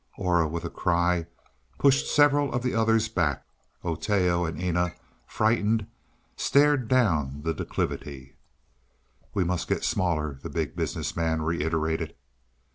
Aura, with a cry, pushed several of the others back; Oteo and Eena, frightened, started down the declivity. "We must get smaller!" the Big Business Man reiterated.